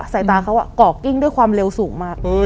สายตาเขาก่อกิ้งด้วยความเร็วสูงมาก